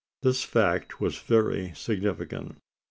This fact was very significant.